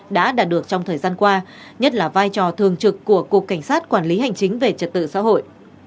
đã đạt được trong thời gian qua nhất là vai trò thường trực của cục cảnh sát quản lý hành chính về trật tự xã hội